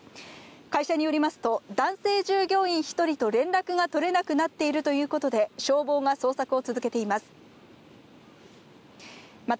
会社によりますと、男性従業員１人と連絡が取れなくなっているということで、消防が捜索を続けています。